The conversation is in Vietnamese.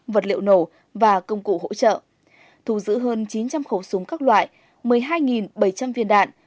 vật liệu nổ và công cụ hỗ trợ thù giữ hơn chín trăm linh khẩu súng các loại một mươi hai bảy trăm linh viên đạn